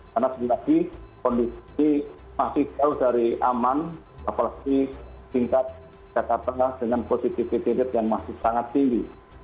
karena sedikit lagi kondisi masih jauh dari aman apalagi tingkat tidak tata dengan positivity rate yang masih sangat tinggi